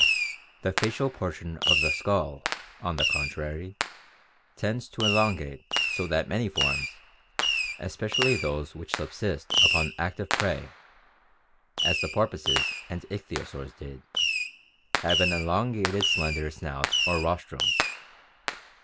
The facial portion of the skull, on the contrary, tends to elongate so that many forms, especially those which subsist upon active prey, as the porpoises and ichthyosaurs did, have an elongated slender snout or rostrum.